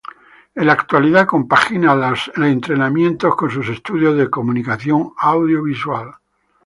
En la actualidad compagina los entrenamientos con sus estudios de Comunicación Audiovisual.